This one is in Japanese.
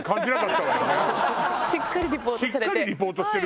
しっかりリポートされて。